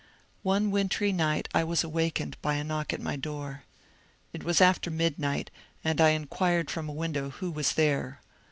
One wintry night I was awakened by a knock at my door. It was after midnight, and I inquired from a window who was there.